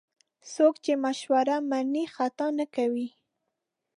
څوک چې مشوره مني، خطا نه کوي.